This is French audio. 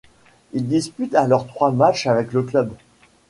Il dispute alors trois matchs avec le club.